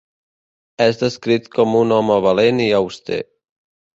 És descrit com un home valent i auster.